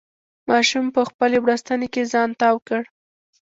ماشوم په خپلې بړستنې کې ځان تاو کړ.